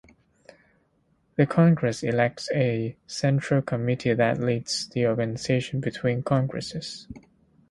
The Congress elects a Central Committee that leads the organization between congresses.